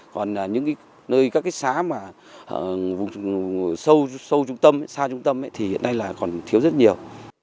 còn những cái nơi các cái xá mà sâu trung tâm xa trung tâm thì hiện nay là còn thiếu rất nhiều